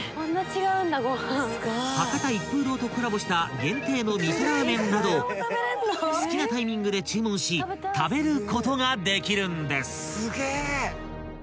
［博多一風堂とコラボした限定の味噌ラーメンなど好きなタイミングで注文し食べることができるんです］